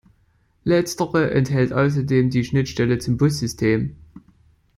Letztere enthält außerdem die Schnittstelle zum Bus-System.